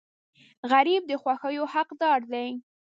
غریب د خوښیو حقدار دی